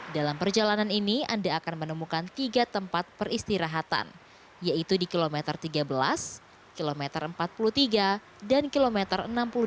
dalam perjalanan ini anda akan menemukan tiga tempat peristirahatan yaitu di kilometer tiga belas kilometer empat puluh tiga dan kilometer enam puluh dua